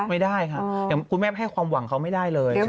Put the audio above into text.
ไม่ได้ค่ะอย่างคุณแม่ให้ความหวังเขาไม่ได้เลย